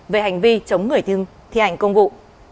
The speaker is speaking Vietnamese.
về hành vi chống người thi hành công vụ